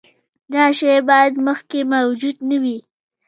دا شی باید مخکې موجود نه وي.